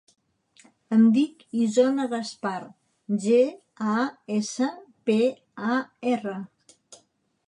Em dic Isona Gaspar: ge, a, essa, pe, a, erra.